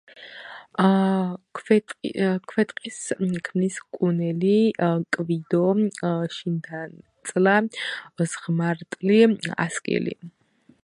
ქვეტყეს ქმნის კუნელი, კვიდო, შინდანწლა, ზღმარტლი, ასკილი.